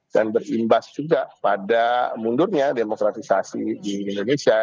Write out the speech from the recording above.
dan berimbas juga pada mundurnya demokratisasi di indonesia